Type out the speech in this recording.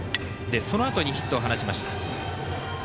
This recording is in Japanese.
そのあとにヒットを放ちました。